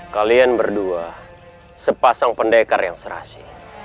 kalian berdua sepasang pendekar yang serasi